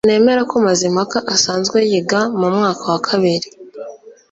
Ntabwo nemera ko Mazimpaka asanzwe yiga mu mwaka wa kabiri